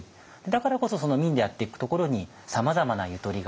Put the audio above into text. だからこそ民でやっていくところにさまざまなゆとりがあるし。